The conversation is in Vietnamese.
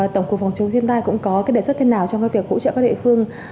tổng cụ phòng chống thiên tai cũng có đề xuất thế nào trong việc hỗ trợ các địa phương